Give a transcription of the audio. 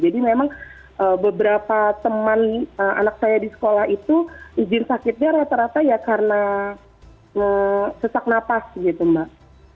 jadi memang beberapa teman anak saya di sekolah itu izin sakitnya rata rata ya karena sesak napas gitu mbak